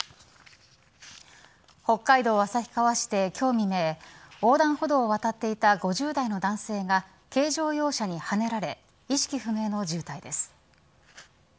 北海道旭川市で今日未明横断歩道を渡っていた５０代の男性が軽乗用車にはねられ意識不明の重体です。